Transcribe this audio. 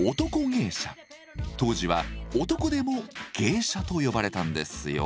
当時は男でも「芸者」と呼ばれたんですよ。